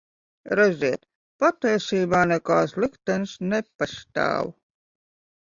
Redziet, patiesībā nekāds liktenis nepastāv.